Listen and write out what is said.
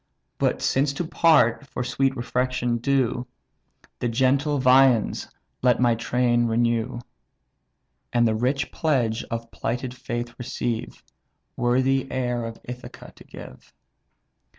But, since to part, for sweet refection due, The genial viands let my train renew; And the rich pledge of plighted faith receive, Worthy the heir of Ithaca to give."